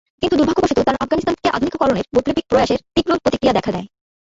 কিন্তু দুর্ভাগ্যবশত তাঁর আফগানিস্তানকে আধুনিকীকরণের বৈপ্লবিক প্রয়াসে তীব্র প্রতিক্রিয়া দেখা দেয়।